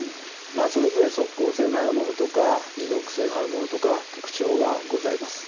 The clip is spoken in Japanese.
まあそれぞれ即効性のあるものとか持続性のあるものとか特徴がございます。